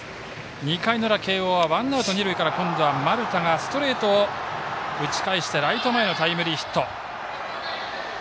２回の裏、慶応はワンアウト、二塁から今度は丸田がストレートを打ち返してライト前のタイムリーヒット。